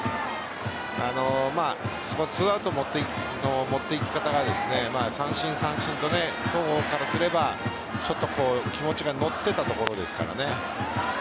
２アウトの持っていき方が三振三振と戸郷からすればちょっと気持ちが乗っていたところですからね。